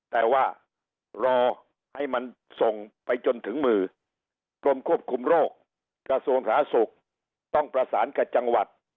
แต่ว่ารอให้มันส่งไปจนถึงมือกรมควบคุมโรคกระทรวงสาธารณสุขต้องประสานกับจังหวัด